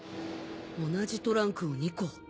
同じトランクを２個。